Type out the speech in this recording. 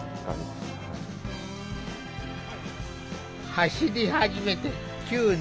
走り始めて９年。